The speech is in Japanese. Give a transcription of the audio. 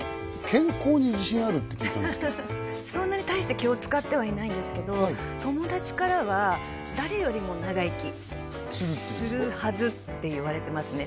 健康に自信あるって聞いたんですけどそんなに大して気を使ってはいないんですけど友達からは誰よりも長生きするっていうこと？するはずって言われてますね